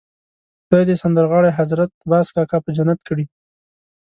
خدای دې سندرغاړی حضرت باز کاکا په جنت کړي.